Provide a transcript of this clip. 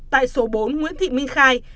tại số bốn nguyễn thị minh khai